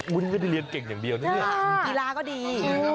บุญไม่ได้เรียนเก่งอย่างเดียวนี่อีหลาก็ดี